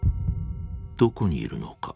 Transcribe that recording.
どこにいるのか。